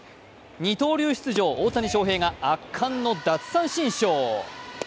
二刀流出場、大谷翔平が圧巻の奪三振ショー。